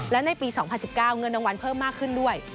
และในปี๒๐๑๙เงินรางวัลเพิ่มมากขึ้นด้วย